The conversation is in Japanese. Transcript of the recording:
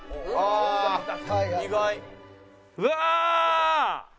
うわ！